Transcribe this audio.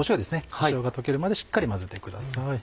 塩が溶けるまでしっかり混ぜてください。